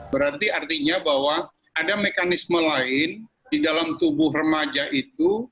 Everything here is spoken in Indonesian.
berarti artinya bahwa ada mekanisme lain di dalam tubuh remaja itu